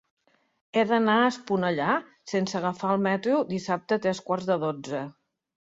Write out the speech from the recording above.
He d'anar a Esponellà sense agafar el metro dissabte a tres quarts de dotze.